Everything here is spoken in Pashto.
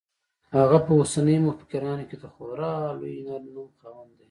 هغه په اوسنیو مفکرانو کې د خورا لوی نوم خاوند دی.